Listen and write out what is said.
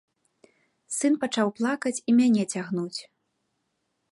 Сын пачаў плакаць і мяне цягнуць.